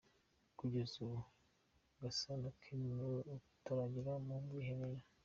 Kugeza ubu Gasana Kenny niwe utaragera mu mwiherero.